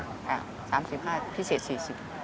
สามสิบห้าพิเศษสี่สิบ